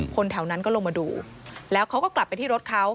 คนแถวนั้นก็ลงมาดูแล้วเขาก็กลับไปที่รถเขา